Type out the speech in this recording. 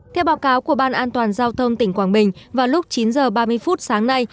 theo báo cáo của ubndgqg vào lúc chín h ba mươi phút sáng nay